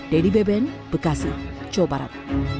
dedy beben bekasi cobarat